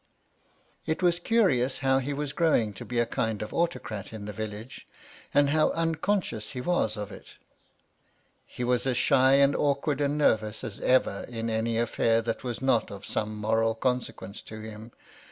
It was curious how he was growing to be a kind of autocrat in the village ; and how unconscious he was of it. He was as shy and awkward and nervous as ever in any aflFair that was not of some moral con sequence to him.